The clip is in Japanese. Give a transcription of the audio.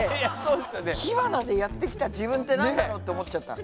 火花でやってきた自分ってなんだろうって思っちゃった。